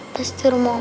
terus di rumah